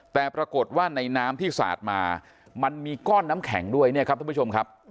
แต่ปรากฏว่าในน้ำที่สาดมามันมีก้อนน้ำแข็งด้วยเนี่ยครับท่านผู้ชมครับ